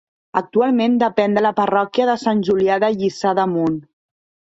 Actualment depèn de la parròquia de Sant Julià de Lliçà d'Amunt.